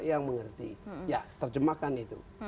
yang mengerti terjemahkan itu